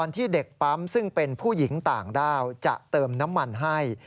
ที่เด็กปั๊มซึ่งเป็นผู้หญิงต่างด้าวจะเติมน้ำมันให้